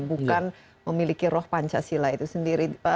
bukan memiliki roh pancasila itu sendiri